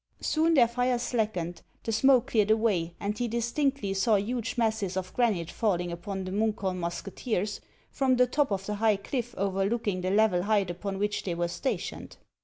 Soon their fire slackened, the smoke cleared away, and he distinctly saw huge masses of granite falling upon the Munkholm musketeers from the top of the high cliff over looking the level height upon which they were stationed.